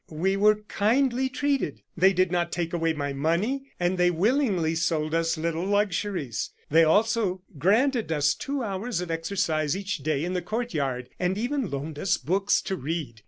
"We were kindly treated. They did not take away my money; and they willingly sold us little luxuries; they also granted us two hours of exercise each day in the court yard, and even loaned us books to read.